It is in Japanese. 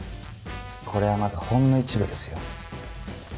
これはまだほんの一部ですよ。